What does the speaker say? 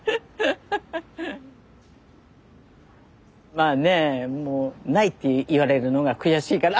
まあねもうないって言われるのが悔しいから。